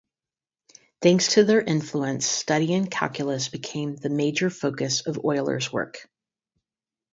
Thanks to their influence, studying calculus became the major focus of Euler's work.